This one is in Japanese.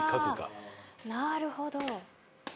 なるほど。